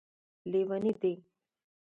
لیوني دی